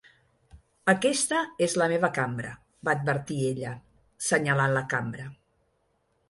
"Aquesta és la meva cambra" va advertir ella, senyalant la cambra.